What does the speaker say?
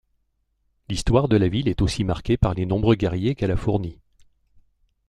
L'histoire de la ville est aussi marquée par les nombreux guerriers qu'elle a fournis.